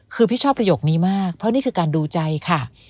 คือพี่ชอบประโยคนี้มากเพราะนี่คือการดูใจค่ะ